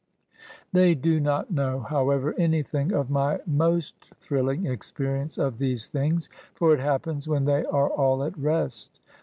They do not know, however, anything of my most thrilling experience of these things — ^for it happens when they are all at rest.